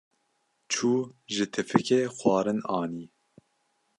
Çû ji tifikê xwarin anî.